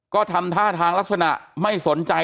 ก็ทำท่าทางลักษณะไม่สนใจ